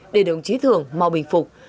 để đồng chí thường mau bình phục